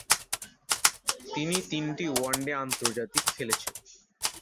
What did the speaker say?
তিনি তিনটি ওয়ানডে আন্তর্জাতিক খেলেছেন।